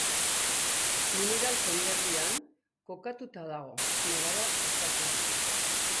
Mineral konderrian kokatuta dago, Nevada estatuan.